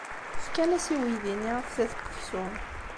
Fkan-as i uydi-nni aftat n uksum.